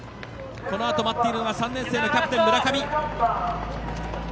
このあと待っているのが３年生、キャプテンの村上。